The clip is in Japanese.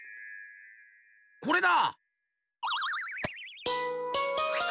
これだ！